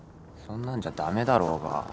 そんなんじゃ駄目だろうが。